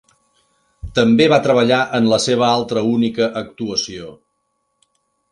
També va treballar en la seva altra única actuació.